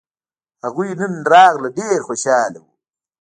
هغوی نن راغلل ډېر خوشاله وو